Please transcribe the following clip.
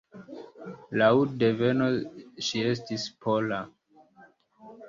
Laŭ deveno ŝi estis pola.